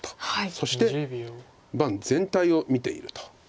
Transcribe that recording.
そして盤全体を見ていると。